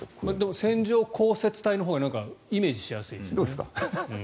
線状降雪帯のほうがイメージしやすいです。